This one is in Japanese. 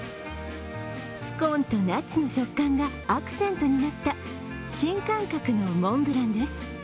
スコーンとナッツの食感がアクセントになった新感覚のモンブランです。